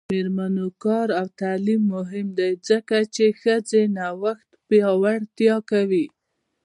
د میرمنو کار او تعلیم مهم دی ځکه چې ښځو نوښت پیاوړتیا کوي.